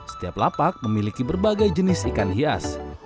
setiap lapak memiliki berbagai jenis ikan hias